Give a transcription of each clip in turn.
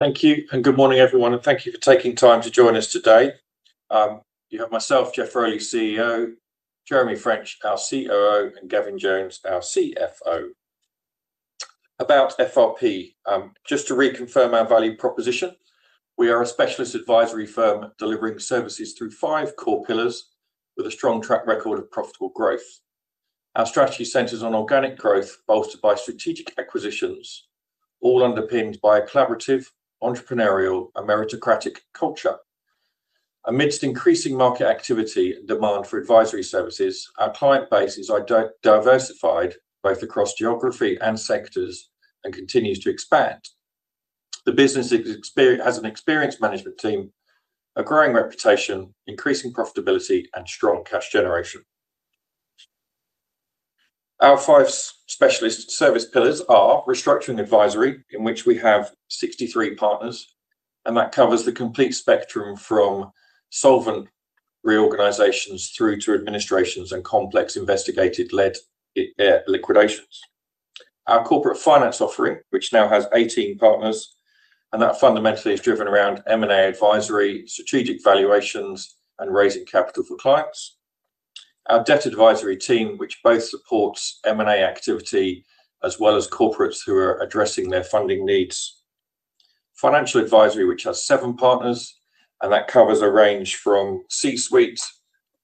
Thank you, and good morning, everyone, and thank you for taking time to join us today. You have myself, Geoff Rowley, CEO, Jeremy French, our COO, and Gavin Jones, our CFO. About FRP, just to reconfirm our value proposition, we are a specialist advisory firm delivering services through five core pillars, with a strong track record of profitable growth. Our strategy centers on organic growth, bolstered by strategic acquisitions, all underpinned by a collaborative, entrepreneurial, and meritocratic culture. Amidst increasing market activity and demand for advisory services, our client base is diversified both across geography and sectors and continues to expand. The business has an experienced management team, a growing reputation, increasing profitability, and strong cash generation. Our five specialist service pillars are restructuring advisory, in which we have 63 partners, and that covers the complete spectrum from solvent reorganizations through to administrations and complex investigative-led liquidations. Our corporate finance offering, which now has 18 partners, and that fundamentally is driven around M&A advisory, strategic valuations, and raising capital for clients. Our debt advisory team, which both supports M&A activity as well as corporates who are addressing their funding needs. Financial advisory, which has seven partners, and that covers a range from C-suite,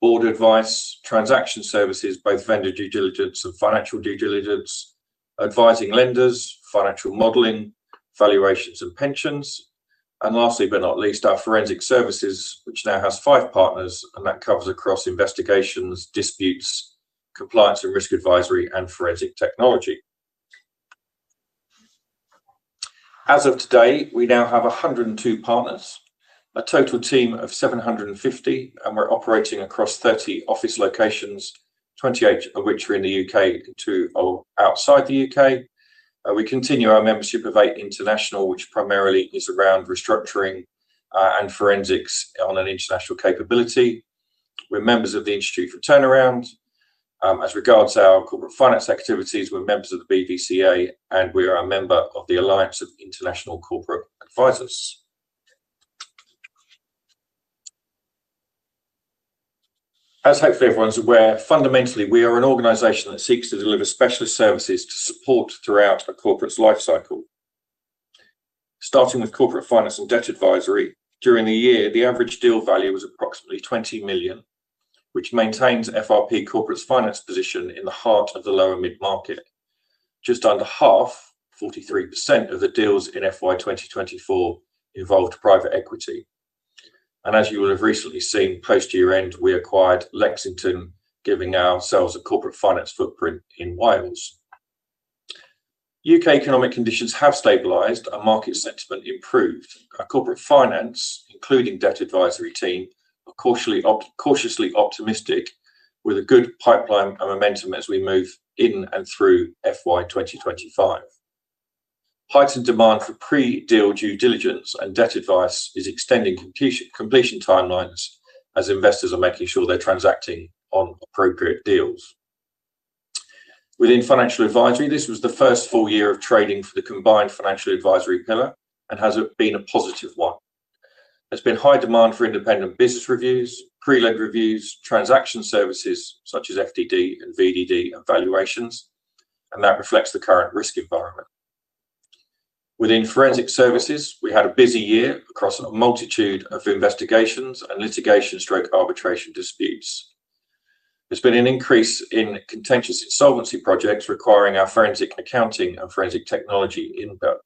board advice, transaction services, both vendor due diligence and financial due diligence, advising lenders, financial modeling, valuations, and pensions, and lastly, but not least, our forensic services, which now has five partners, and that covers across investigations, disputes, compliance and risk advisory, and forensic technology. As of today, we now have 102 partners, a total team of 750, and we're operating across 30 office locations, 28 of which are in the U.K. and two outside the U.K. We continue our membership of Eight International, which primarily is around restructuring and forensics on an international capability. We're members of the Institute for Turnaround. As regards our corporate finance activities, we're members of the BVCA, and we are a member of the Alliance of International Corporate Advisors. As hopefully everyone's aware, fundamentally, we are an organization that seeks to deliver specialist services to support throughout a corporate's life cycle. Starting with corporate finance and debt advisory, during the year, the average deal value was approximately 20 million, which maintains FRP Corporate Finance's position in the heart of the lower mid-market. Just under half, 43% of the deals in FY 2024, involved private equity. As you will have recently seen, post-year-end, we acquired Lexington, giving ourselves a corporate finance footprint in Wales. U.K. economic conditions have stabilized and market sentiment improved. Our corporate finance, including debt advisory team, are cautiously optimistic with a good pipeline and momentum as we move in and through FY 2025. Heightened demand for pre-deal due diligence and debt advice is extending completion timelines as investors are making sure they're transacting on appropriate deals. Within financial advisory, this was the first full year of trading for the combined financial advisory pillar and has been a positive one. There's been high demand for independent business reviews, pre-lend reviews, transaction services such as FDD and VDD and valuations, and that reflects the current risk environment. Within forensic services, we had a busy year across a multitude of investigations and litigation/arbitration disputes. There's been an increase in contentious insolvency projects requiring our forensic accounting and forensic technology input.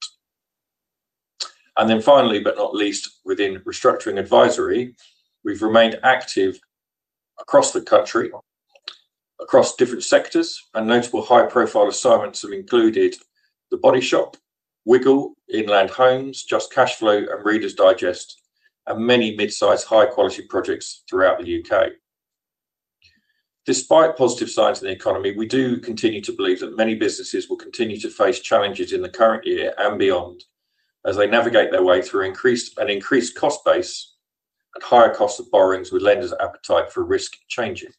And then finally, but not least, within restructuring advisory, we've remained active across the country, across different sectors, and notable high-profile assignments have included The Body Shop, Wiggle, Inland Homes, Just Cash Flow, and Reader's Digest, and many mid-sized high-quality projects throughout the U.K. Despite positive signs in the economy, we do continue to believe that many businesses will continue to face challenges in the current year and beyond as they navigate their way through an increased cost base and higher cost of borrowings, with lenders' appetite for risk changing.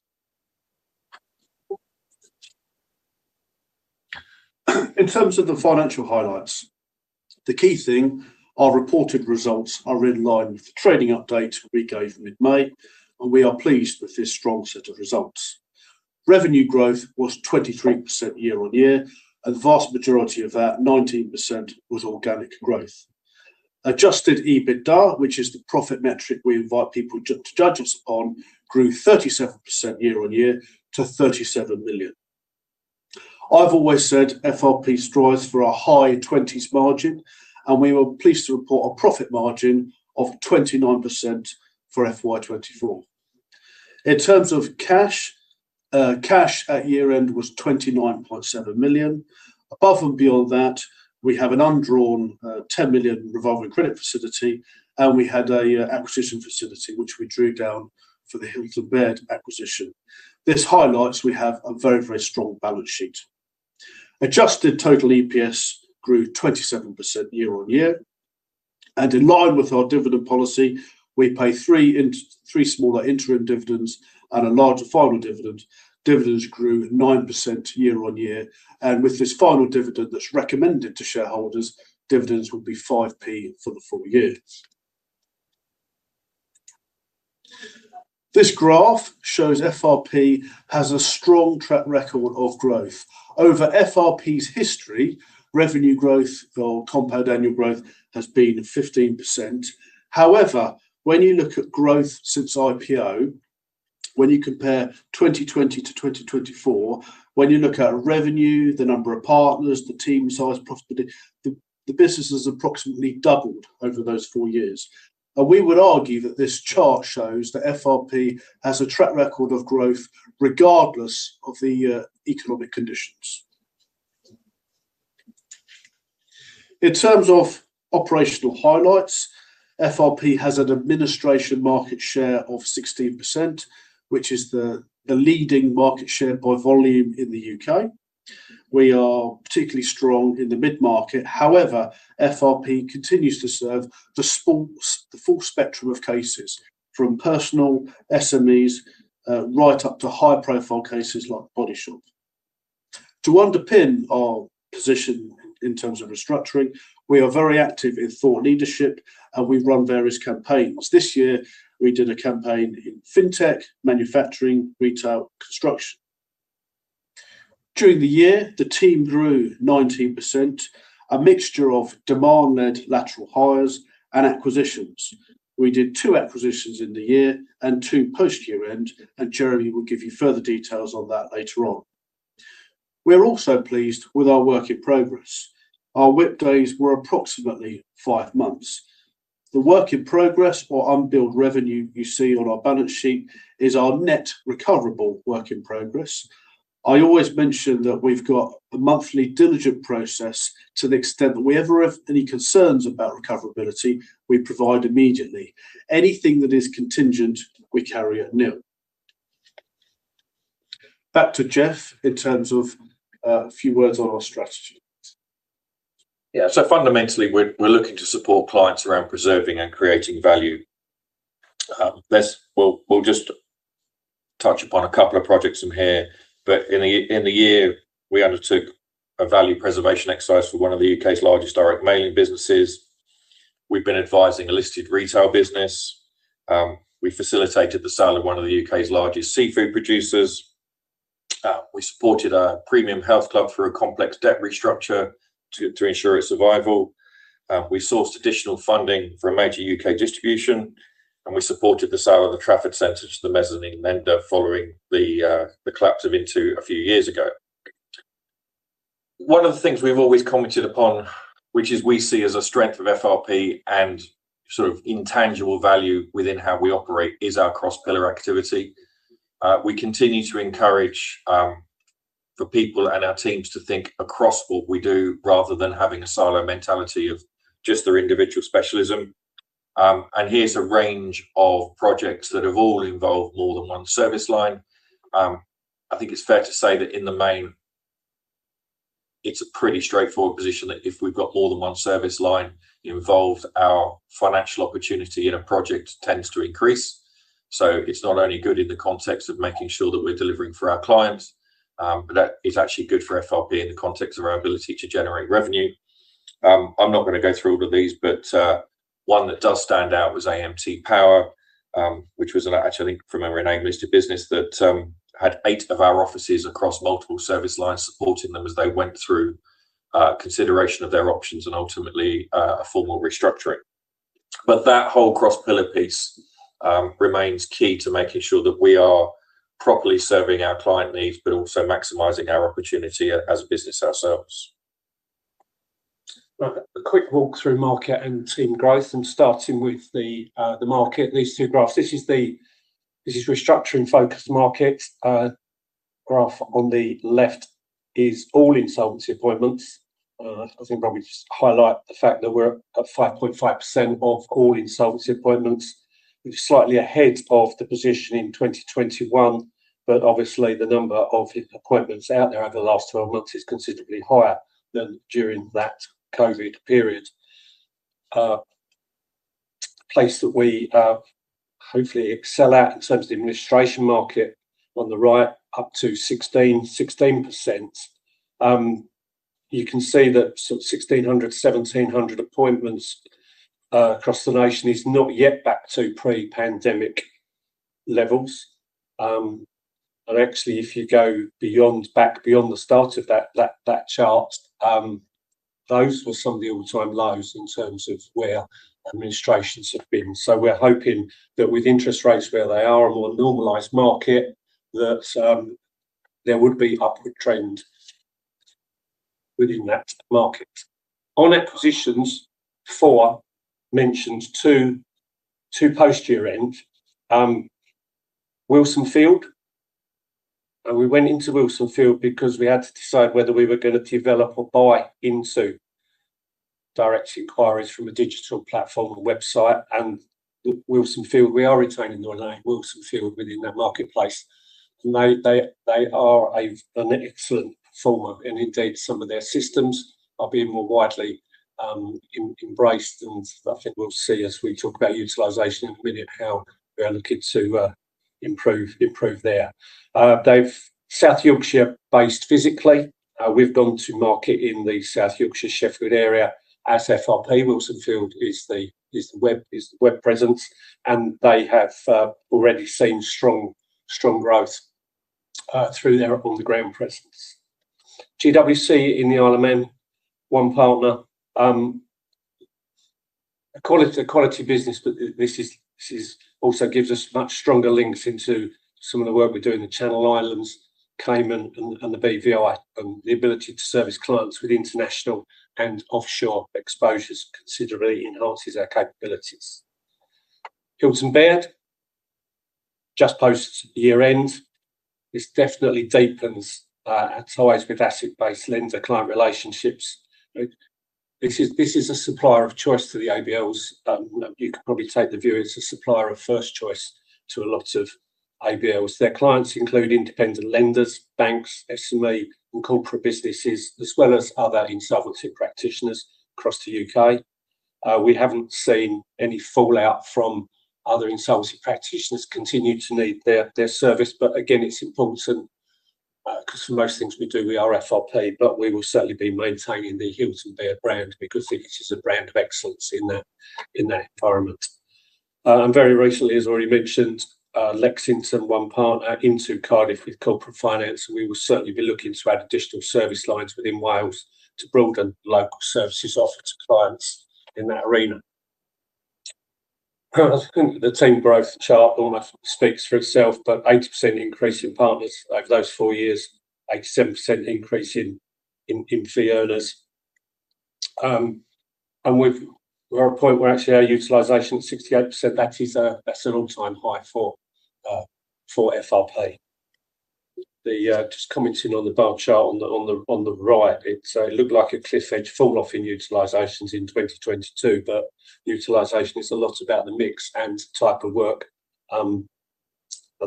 In terms of the financial highlights, the key thing are reported results are in line with the trading updates we gave in mid-May, and we are pleased with this strong set of results. Revenue growth was 23% year on year, and the vast majority of that, 19%, was organic growth. Adjusted EBITDA, which is the profit metric we invite people to judge us on, grew 37% year on year to 37 million. I've always said FRP strives for a high 20s margin, and we were pleased to report a profit margin of 29% for FY 2024. In terms of cash, cash at year-end was 29.7 million. Above and beyond that, we have an undrawn 10 million revolving credit facility, and we had an acquisition facility, which we drew down for the Hilton-Baird acquisition. This highlights we have a very, very strong balance sheet. Adjusted total EPS grew 27% year on year, and in line with our dividend policy, we pay three smaller interim dividends and a larger final dividend. Dividends grew 9% year on year, and with this final dividend that's recommended to shareholders, dividends will be 5p for the full year. This graph shows FRP has a strong track record of growth. Over FRP's history, revenue growth or compound annual growth has been 15%. However, when you look at growth since IPO, when you compare 2020 to 2024, when you look at revenue, the number of partners, the team size, profitability, the business has approximately doubled over those four years. We would argue that this chart shows that FRP has a track record of growth regardless of the economic conditions. In terms of operational highlights, FRP has an administration market share of 16%, which is the leading market share by volume in the U.K. We are particularly strong in the mid-market. However, FRP continues to serve the full spectrum of cases, from personal SMEs right up to high-profile cases like The Body Shop. To underpin our position in terms of restructuring, we are very active in thought leadership, and we run various campaigns. This year, we did a campaign in fintech, manufacturing, retail, construction. During the year, the team grew 19%, a mixture of demand-led lateral hires and acquisitions. We did two acquisitions in the year and two post-year-end, and Jeremy will give you further details on that later on. We're also pleased with our work in progress. Our WIP days were approximately five months. The work in progress or unbilled revenue you see on our balance sheet is our net recoverable work in progress. I always mention that we've got a monthly diligent process to the extent that we ever have any concerns about recoverability, we provide immediately. Anything that is contingent, we carry at nil. Back to Geoff in terms of a few words on our strategy. Yeah, so fundamentally, we're looking to support clients around preserving and creating value. We'll just touch upon a couple of projects from here, but in the year, we undertook a value preservation exercise for one of the U.K.'s largest direct mailing businesses. We've been advising a listed retail business. We facilitated the sale of one of the U.K.'s largest seafood producers. We supported a premium health club through a complex debt restructure to ensure its survival. We sourced additional funding for a major U.K. distribution, and we supported the sale of the Trafford Centre to the mezzanine lender following the collapse of Intu a few years ago. One of the things we've always commented upon, which we see as a strength of FRP and sort of intangible value within how we operate, is our cross-pillar activity. We continue to encourage for people and our teams to think across what we do rather than having a silo mentality of just their individual specialism. And here's a range of projects that have all involved more than one service line. I think it's fair to say that in the main, it's a pretty straightforward position that if we've got more than one service line involved, our financial opportunity in a project tends to increase. So it's not only good in the context of making sure that we're delivering for our clients, but it's actually good for FRP in the context of our ability to generate revenue. I'm not going to go through all of these, but one that does stand out was AMTE Power, which was, actually, I think, from a renamed listed business that had eight of our offices across multiple service lines supporting them as they went through consideration of their options and ultimately a formal restructuring. But that whole cross-pillar piece remains key to making sure that we are properly serving our client needs, but also maximizing our opportunity as a business ourselves. A quick walk through market and team growth, and starting with the market, these two graphs. This is restructuring-focused market. The graph on the left is all insolvency appointments. I think I'll probably just highlight the fact that we're at 5.5% of all insolvency appointments. We're slightly ahead of the position in 2021, but obviously, the number of appointments out there over the last 12 months is considerably higher than during that COVID period. The place that we hopefully excel at in terms of the administration market on the right, up to 16%. You can see that sort of 1,600-1,700 appointments across the nation is not yet back to pre-pandemic levels. And actually, if you go back beyond the start of that chart, those were some of the all-time lows in terms of where administrations have been. We're hoping that with interest rates where they are and more normalized market, that there would be upward trend within that market. On acquisitions, four mentioned two post-year-end. Wilson Field. And we went into Wilson Field because we had to decide whether we were going to develop or buy into direct inquiries from a digital platform, a website, and Wilson Field. We are retaining the renowned Wilson Field within that marketplace. And they are an excellent performer, and indeed, some of their systems are being more widely embraced. And I think we'll see as we talk about utilization in a minute how we're looking to improve there. South Yorkshire-based physically. We've gone to market in the South Yorkshire Sheffield area. As FRP, Wilson Field is the web presence, and they have already seen strong growth through their on-the-ground presence. GWC in the Isle of Man, one partner. A quality business, but this also gives us much stronger links into some of the work we're doing in the Channel Islands, Cayman, and the BVI, and the ability to service clients with international and offshore exposures considerably enhances our capabilities. Hilton-Baird, just post-year-end, this definitely deepens ties with asset-based lender client relationships. This is a supplier of choice to the ABLs. You can probably take the view it's a supplier of first choice to a lot of ABLs. Their clients include independent lenders, banks, SME, and corporate businesses, as well as other insolvency practitioners across the U.K. We haven't seen any fallout from other insolvency practitioners continuing to need their service, but again, it's important because for most things we do, we are FRP, but we will certainly be maintaining the Hilton-Baird brand because it is a brand of excellence in that environment. Very recently, as already mentioned, Lexington, one partner, into Cardiff with corporate finance. We will certainly be looking to add additional service lines within Wales to broaden local services offered to clients in that arena. The team growth chart almost speaks for itself, but 80% increase in partners over those four years, 87% increase in fee earners. We're at a point where actually our utilization is 68%. That is a long-time high for FRP. Just commenting on the bar chart on the right, it looked like a cliff edge fall-off in utilizations in 2022, but utilization is a lot about the mix and type of work.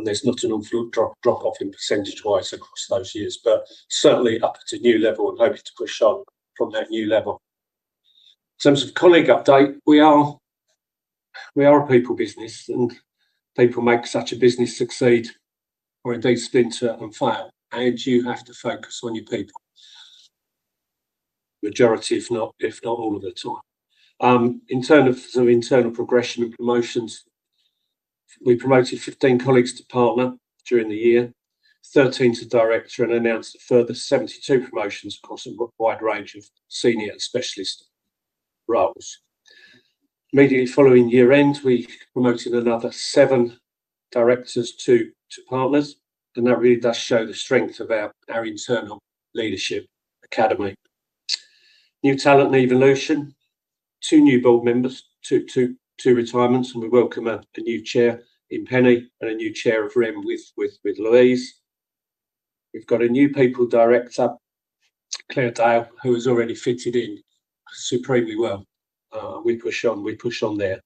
There's not an ongoing drop-off percentage-wise across those years, but certainly up to a new level and hoping to push on from that new level. In terms of colleague update, we are a people business, and people make such a business succeed or indeed splinter and fail, and you have to focus on your people. Majority if not all of the time. In terms of internal progression and promotions, we promoted 15 colleagues to partner during the year, 13 to director, and announced a further 72 promotions across a wide range of senior and specialist roles. Immediately following year-end, we promoted another 7 directors to partners, and that really does show the strength of our internal leadership academy. New talent and evolution. 2 new board members, 2 retirements, and we welcome a new chair in Penny and a new chair of Rem with Louise. We've got a new people director, Claire Dale, who has already fitted in supremely well. We push on. We push on there.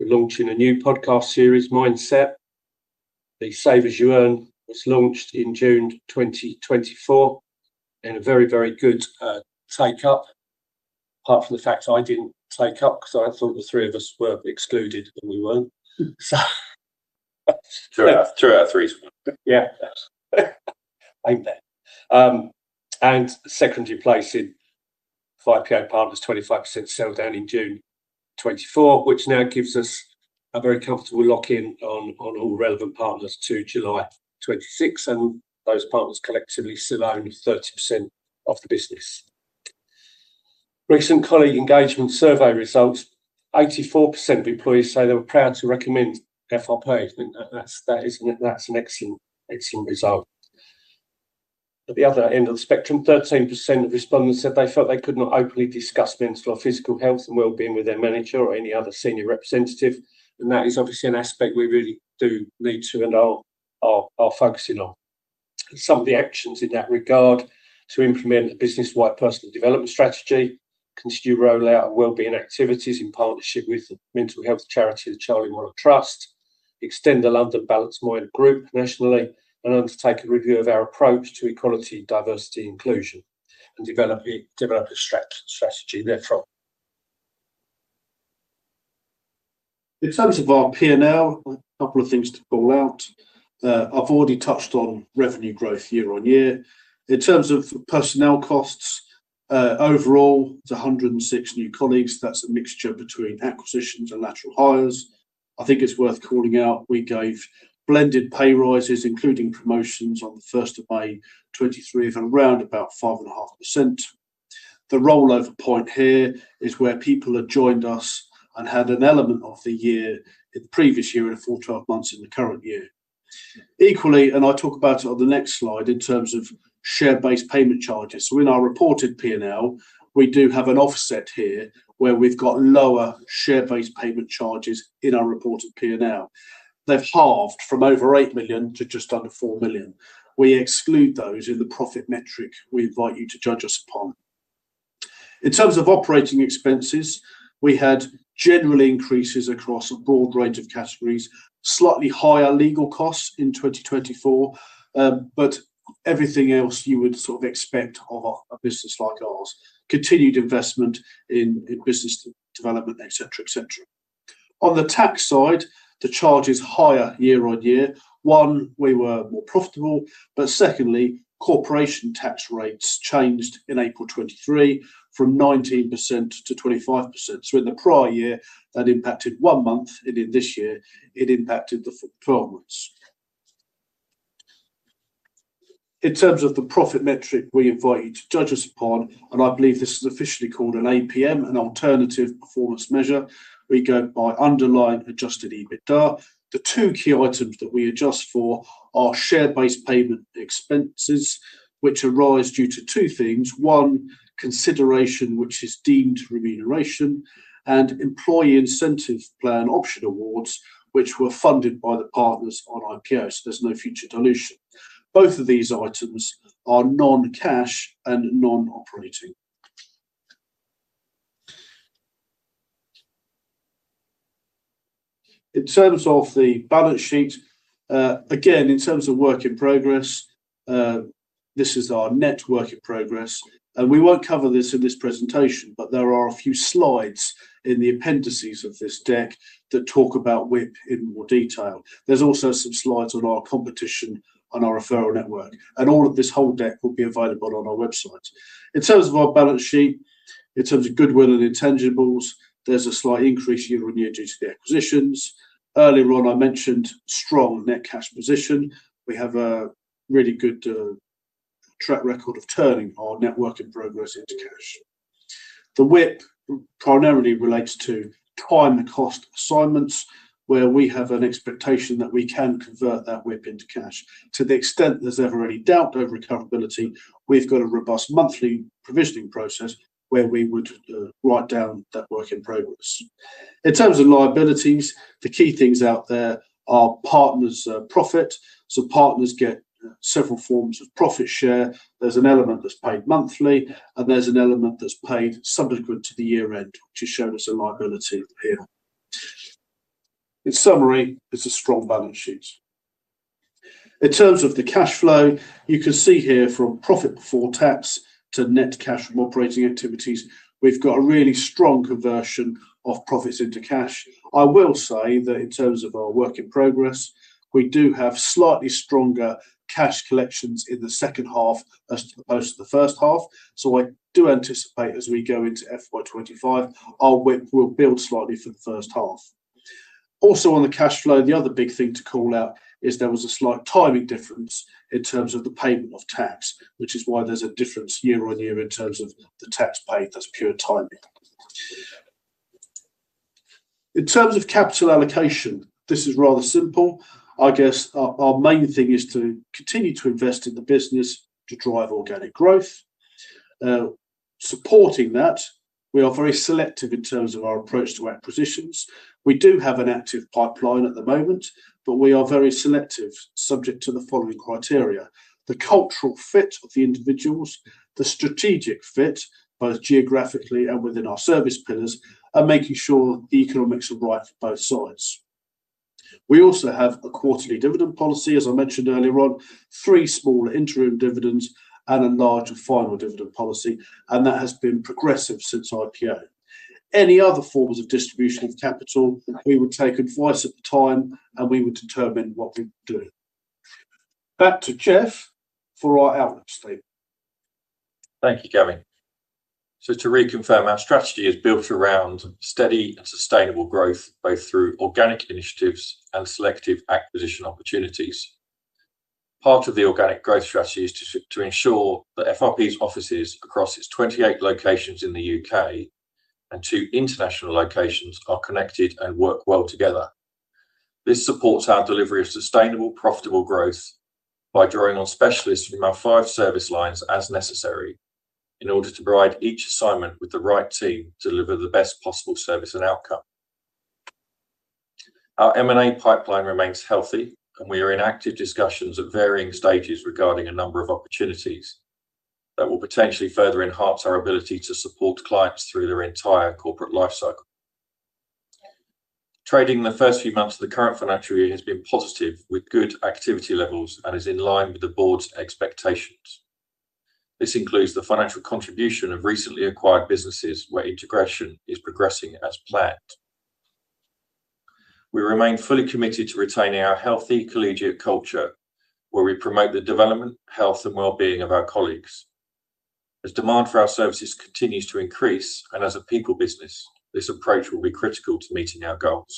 We're launching a new podcast series, Mindset. The Save As You Earn was launched in June 2024, and a very, very good take-up. Apart from the fact I didn't take up because I thought the three of us were excluded when we weren't. Two out of three. Yeah, and secondary placement in SAYE partners, 25% sell down in June 2024, which now gives us a very comfortable lock-in on all relevant partners to July 2026, and those partners collectively still own 30% of the business. Recent colleague engagement survey results, 84% of employees say they were proud to recommend FRP. That's an excellent result. At the other end of the spectrum, 13% of respondents said they felt they could not openly discuss mental or physical health and well-being with their manager or any other senior representative, and that is obviously an aspect we really do need to and are focusing on. Some of the actions in that regard to implement a business-wide personal development strategy, continue rollout of well-being activities in partnership with the mental health charity, the Charlie Waller Trust, extend the London Balanced Mind Group nationally, and undertake a review of our approach to equality, diversity, inclusion, and develop a strategy therefrom. In terms of our P&L, a couple of things to call out. I've already touched on revenue growth year on year. In terms of personnel costs, overall, it's 106 new colleagues. That's a mixture between acquisitions and lateral hires. I think it's worth calling out, we gave blended pay rises, including promotions on the 1st of May 2023, of around about 5.5%. The rollover point here is where people have joined us and had an element of the year in the previous year and a full 12 months in the current year. Equally, and I'll talk about it on the next slide, in terms of share-based payment charges. So in our reported P&L, we do have an offset here where we've got lower share-based payment charges in our reported P&L. They've halved from over 8 million to just under 4 million. We exclude those in the profit metric we invite you to judge us upon. In terms of operating expenses, we had general increases across a broad range of categories, slightly higher legal costs in 2024, but everything else you would sort of expect of a business like ours. Continued investment in business development, etc., etc. On the tax side, the charge is higher year on year. One, we were more profitable, but secondly, corporation tax rates changed in April 2023 from 19% to 25%. So in the prior year, that impacted one month, and in this year, it impacted the performance. In terms of the profit metric, we invite you to judge us upon, and I believe this is officially called an APM, an alternative performance measure. We go by underlying adjusted EBITDA. The two key items that we adjust for are share-based payment expenses, which arise due to two things. One, consideration, which is deemed remuneration, and employee incentive plan option awards, which were funded by the partners on IPO, so there's no future dilution. Both of these items are non-cash and non-operating. In terms of the balance sheet, again, in terms of work in progress, this is our net work in progress, and we won't cover this in this presentation, but there are a few slides in the appendices of this deck that talk about WIP in more detail. There's also some slides on our competition and our referral network, and all of this whole deck will be available on our website. In terms of our balance sheet, in terms of goodwill and intangibles, there's a slight increase year on year due to the acquisitions. Earlier on, I mentioned strong net cash position. We have a really good track record of turning our net work in progress into cash. The WIP primarily relates to time and cost assignments, where we have an expectation that we can convert that WIP into cash. To the extent there's ever any doubt over recoverability, we've got a robust monthly provisioning process where we would write down that work in progress. In terms of liabilities, the key things out there are partners' profit. So partners get several forms of profit share. There's an element that's paid monthly, and there's an element that's paid subsequent to the year-end, which has shown us a liability here. In summary, it's a strong balance sheet. In terms of the cash flow, you can see here from profit before tax to net cash from operating activities, we've got a really strong conversion of profits into cash. I will say that in terms of our work in progress, we do have slightly stronger cash collections in the second half as opposed to the first half. So I do anticipate as we go into FY25, our WIP will build slightly for the first half. Also on the cash flow, the other big thing to call out is there was a slight timing difference in terms of the payment of tax, which is why there's a difference year on year in terms of the tax paid. That's pure timing. In terms of capital allocation, this is rather simple. I guess our main thing is to continue to invest in the business to drive organic growth. Supporting that, we are very selective in terms of our approach to acquisitions. We do have an active pipeline at the moment, but we are very selective subject to the following criteria. The cultural fit of the individuals, the strategic fit, both geographically and within our service pillars, and making sure the economics are right for both sides. We also have a quarterly dividend policy, as I mentioned earlier on, three smaller interim dividends and a larger final dividend policy, and that has been progressive since IPO. Any other forms of distribution of capital, we would take advice at the time, and we would determine what we would do. Back to Geoff for our outlook statement. Thank you, Gavin. So to reconfirm, our strategy is built around steady and sustainable growth, both through organic initiatives and selective acquisition opportunities. Part of the organic growth strategy is to ensure that FRP's offices across its 28 locations in the U.K. and two international locations are connected and work well together. This supports our delivery of sustainable, profitable growth by drawing on specialists from our five service lines as necessary in order to provide each assignment with the right team to deliver the best possible service and outcome. Our M&A pipeline remains healthy, and we are in active discussions at varying stages regarding a number of opportunities that will potentially further enhance our ability to support clients through their entire corporate lifecycle. Trading the first few months of the current financial year has been positive with good activity levels and is in line with the board's expectations. This includes the financial contribution of recently acquired businesses where integration is progressing as planned. We remain fully committed to retaining our healthy collegiate culture where we promote the development, health, and well-being of our colleagues. As demand for our services continues to increase and as a people business, this approach will be critical to meeting our goals.